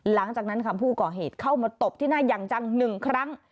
หลังจากนั้นค่ะผู้ก่อเหตุเข้ามาตบที่หน้าอย่างจัง๑ครั้ง